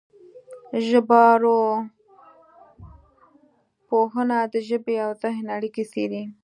ژبارواپوهنه د ژبې او ذهن اړیکې څېړي